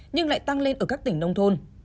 nhưng lại tăng lên ở các tỉnh nông thôn